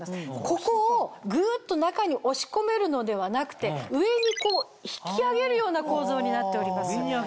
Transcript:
ここをぐっと中に押し込めるのではなくて上に引き上げるような構造になっております。